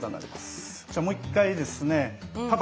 じゃあもう一回ですねパパ！